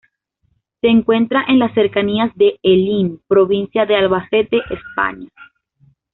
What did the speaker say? Se encuentra en las cercanías de Hellín, provincia de Albacete, España.